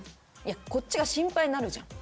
こっちが心配になるじゃん。